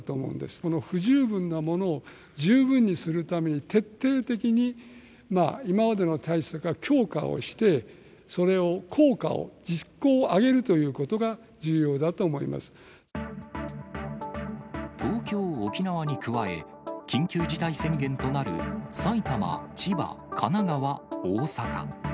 この不十分なものを十分にするために、徹底的に今までの対策を強化して、それを効果を、実効を上げるとい東京、沖縄に加え、緊急事態宣言となる埼玉、千葉、神奈川、大阪。